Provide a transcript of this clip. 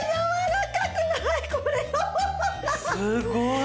すごい。